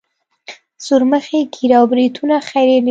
سورمخي ږيره او برېتونه خرييلي وو.